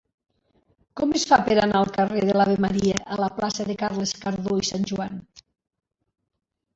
Com es fa per anar del carrer de l'Ave Maria a la plaça de Carles Cardó i Sanjoan?